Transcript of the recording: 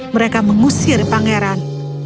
mereka mengusir pangeran